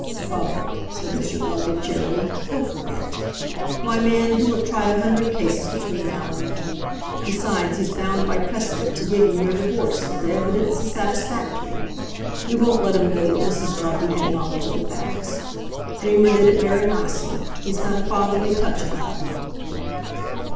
"Pho!" said Mr. Bellby cheerily, "he'll forget! Why, man, he'll have tried a hundred cases between now and then. Besides, he's bound by precedent to give ye your divorce, if the evidence is satisfactory. We won't let um know that Mrs. Dartie had knowledge of the facts. Dreamer did it very nicely—he's got a fatherly touch about um!"